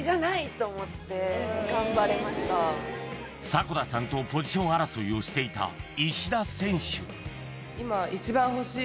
迫田さんとポジション争いをしていた石田選手